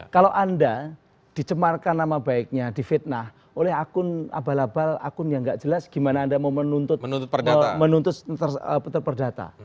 kalau anda dicemarkan nama baiknya difitnah oleh akun abal abal akun yang nggak jelas gimana anda mau menuntut perdata